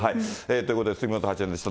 ということで杉本八段でした。